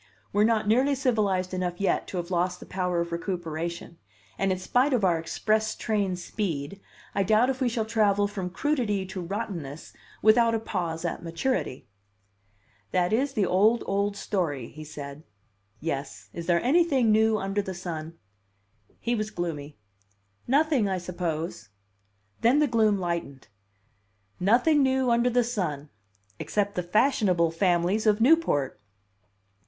We're not nearly civilized enough yet to have lost the power Of recuperation, and in spite of our express train speed, I doubt if we shall travel from crudity to rottenness without a pause at maturity." "That is the old, old story," he said. "Yes; is there anything new under the sun?" He was gloomy. "Nothing, I suppose." Then the gloom lightened. "Nothing new under the sun except the fashionable families of Newport!"